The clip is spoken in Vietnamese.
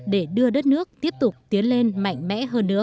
để đưa đất nước tiếp tục tiến lên mạnh mẽ hơn nữa